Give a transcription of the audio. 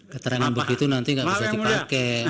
keterangan begitu nanti nggak bisa dipakai